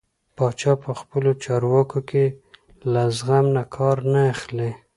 پاچا په خپلو چارو کې له زغم نه کار نه اخلي .